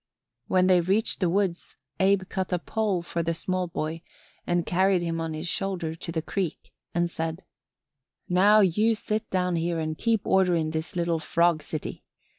When they reached the woods Abe cut a pole for the small boy and carried him on his shoulder to the creek and said: "Now you sit down here and keep order in this little frog city.